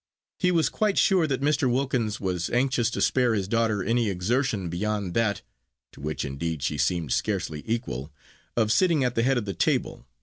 He was quite sure that Mr. Wilkins was anxious to spare his daughter any exertion beyond that to which, indeed, she seemed scarely equal of sitting at the head of the table.